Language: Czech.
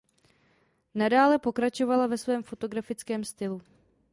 Nadále pokračovala ve svém fotografickém stylu.